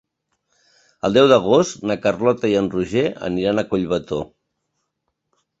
El deu d'agost na Carlota i en Roger aniran a Collbató.